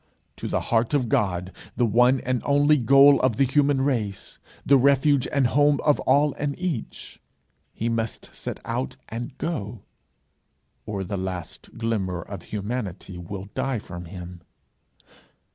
To the heart of God, the one and only goal of the human race the refuge and home of all and each, he must set out and go, or the last glimmer of humanity will die from him.